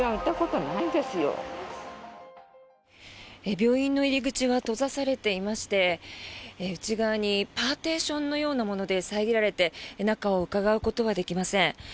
病院の入り口は閉ざされていまして内側にパーティションのようなもので遮られて中をうかがうことはできません。